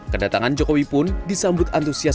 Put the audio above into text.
supaya semua dunia tahu di indonesia